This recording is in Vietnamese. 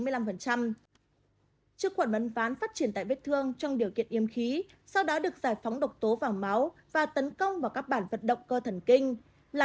trước khuẩn uấn ván phát triển tại vết thương trong điều kiện yêm khí sau đó được giải phóng độc tố vào máu và tấn công vào các bản vật động cơ thần kinh